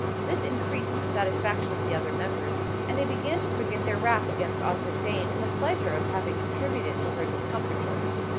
This increased the satisfaction of the other members, and they began to forget their wrath against Osric Dane in the pleasure of having contributed to her discomfiture.